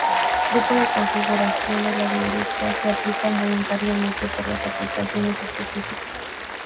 Grupo de configuración de la directiva se aplican voluntariamente por las aplicaciones específicas.